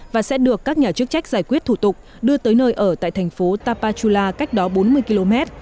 và sẽ được các nhà chức trách giải quyết thủ tục đưa tới nơi ở tại thành phố tapachula cách đó bốn mươi km